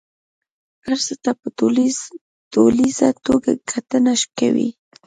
هر څه ته په ټوليزه توګه کتنه کوي.